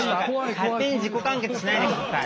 勝手に自己完結しないでください。